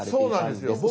そうなんですよ。